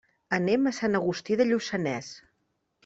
Anem a Sant Agustí de Lluçanès.